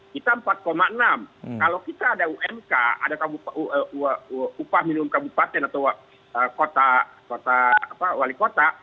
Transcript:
kita empat enam kalau kita ada umk ada upah minimum kabupaten atau kota wali kota